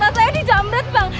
tak saya di jambret bang